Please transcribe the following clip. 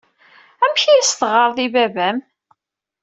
Amek ay as-teɣɣareḍ i baba-m?